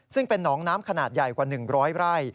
ซึ่งเป็นหนองน้ำขนาดใหญ่กว่า๑๐๐ไร่